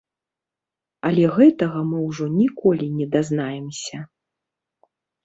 Але гэтага мы ўжо ніколі не дазнаемся.